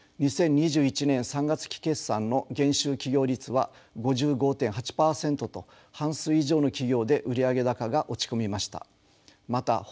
２０２１年３月期決算の減収企業率は５５．８％と半数以上の企業で売上高が落ち込みました。